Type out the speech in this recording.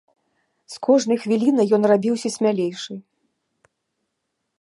З кожнай хвілінай ён рабіўся смялейшым.